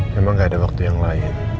memang gak ada waktu yang lain